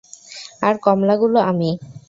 আর কমলাগুলো আমি।